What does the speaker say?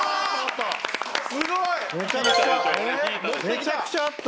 めちゃくちゃあった。